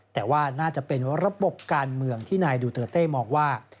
แต่ว่าน่าจะเป็นระบบการเมืองที่นายดูเตอร์เต้มองว่า